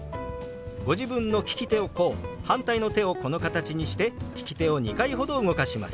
ご自分の利き手をこう反対の手をこの形にして利き手を２回ほど動かします。